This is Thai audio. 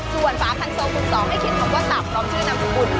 ส่วนฟ้าคันโซคุณสองเขียนคำว่าตับรอบชื่อนามสกุลและเบอร์โทรศัพท์ค่ะ